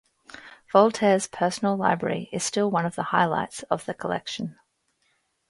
Voltaire's personal library is still one of the highlights of the collection.